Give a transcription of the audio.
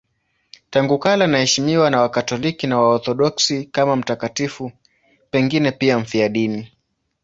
Tangu kale anaheshimiwa na Wakatoliki na Waorthodoksi kama mtakatifu, pengine pia mfiadini.